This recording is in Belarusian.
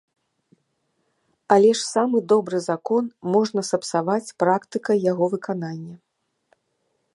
Але ж самы добры закон можна сапсаваць практыкай яго выканання.